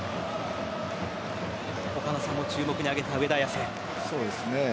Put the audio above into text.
岡田さんも注目に挙げた上田綺世。